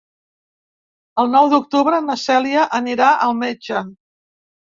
El nou d'octubre na Cèlia anirà al metge.